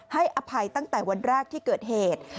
อภัยตั้งแต่วันแรกที่เกิดเหตุ